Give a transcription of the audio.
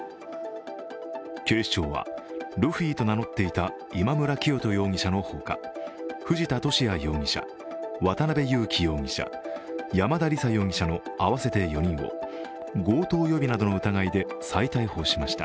警視庁は、ルフィを名乗っていた今村磨人容疑者のほか、藤田聖也容疑者、渡辺優樹容疑者、山田李沙容疑者の合わせて４人を強盗容疑などの疑いで再逮捕しました。